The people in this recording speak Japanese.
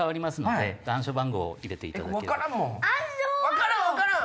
分からん分からん。